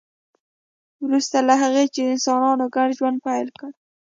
وروسته له هغه چې انسانانو ګډ ژوند پیل کړ